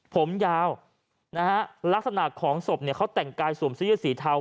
ผมยาวลักษณะของศพเขาแต่งกายสวมสียืดสีเทา